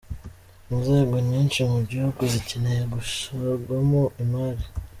Inzego nyinshi mu gihugu zikeneye gushorwamo imari.